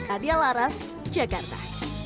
adia laras jakarta